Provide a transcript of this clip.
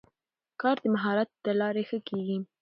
کار د مهارت له لارې ښه کېږي